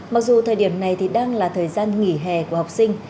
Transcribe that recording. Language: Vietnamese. mặc dù thời điểm này thì đang là thời gian nghỉ hè của học sinh